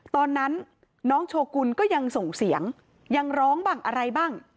ตอนนั้นน้องโชกุลก็ยังส่งเสียงยังร้องบ้างอะไรบ้าง